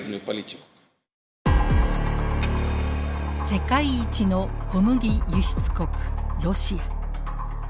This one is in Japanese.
世界一の小麦輸出国ロシア。